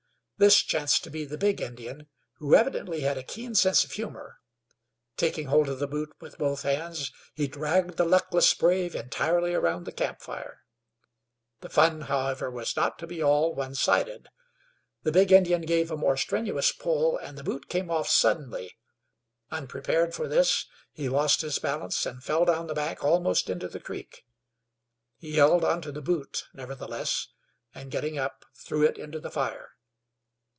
This chanced to be the big Indian, who evidently had a keen sense of humor. Taking hold of the boot with both hands, he dragged the luckless brave entirely around the camp fire. The fun, however, was not to be all one sided. The big Indian gave a more strenuous pull, and the boot came off suddenly. Unprepared for this, he lost his balance and fell down the bank almost into the creek. He held on to the boot, nevertheless, and getting up, threw it into the fire.